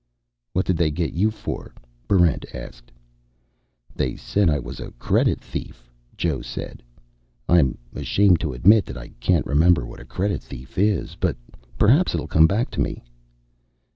"What did they get you for?" Barrent asked. "They said I was a credit thief," Joe said. "I'm ashamed to admit that I can't remember what a credit thief is. But perhaps it'll come back to me."